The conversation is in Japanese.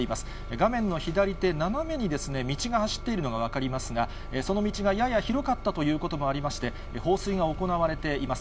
画面の左手、斜めに道が走っているのが分かりますが、その道がやや広かったということもありまして、放水が行われています。